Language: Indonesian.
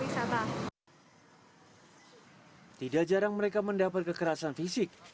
mereka mendapat kekerasan fisik dan gejalaan yang mengotori keindahan kota jogjakarta yang dianggap